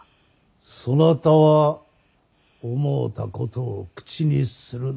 「そなたは思うた事を口にするな」